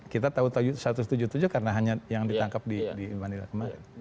kita tahu satu ratus tujuh puluh tujuh karena hanya yang ditangkap di manila kemarin